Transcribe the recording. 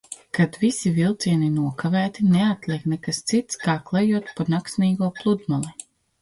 Kad visi vilcieni nokavēti, neatliek nekas cits kā klejot pa naksnīgo pludmali.